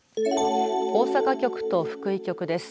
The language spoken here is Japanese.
大阪局と福井局です。